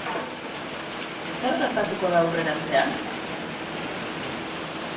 Zer gertatuko da aurrerantzean?